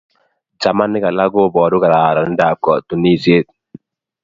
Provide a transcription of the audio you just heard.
chamanik alak koporu kararanindap katunisiet